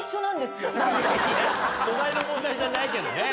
素材の問題じゃないけどね。